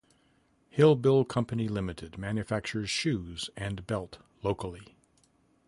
Hillbil Company Limited manufactures shoes and belt locally.